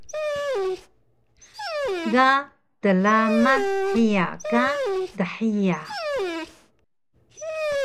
Ga tlaman hiya ka dhiya